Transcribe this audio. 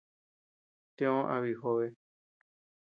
Tio a biʼi jobe.